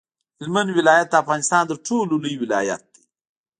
هلمند ولایت د افغانستان تر ټولو لوی ولایت دی.